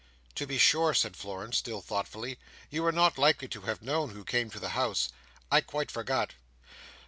"To be sure," said Florence, still thoughtfully; "you are not likely to have known who came to the house. I quite forgot."